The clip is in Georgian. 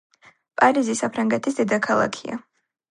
პარიზი საფრანგეთის დედაქალაქია.